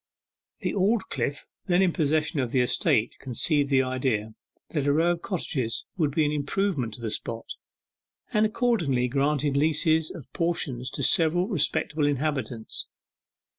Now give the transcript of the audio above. The Aldclyffe then in possession of the estate conceived the idea that a row of cottages would be an improvement to the spot, and accordingly granted leases of portions to several respectable inhabitants.